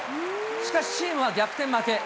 しかしチームは逆転負け。